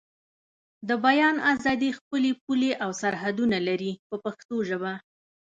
د بیان ازادي خپلې پولې او حدونه لري په پښتو ژبه.